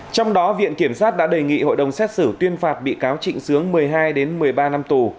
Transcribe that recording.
trong đó viện kiểm sát đã đề nghị hội đồng xét xử tuyên phạt bị cáo trịnh sướng một mươi hai một mươi ba năm tù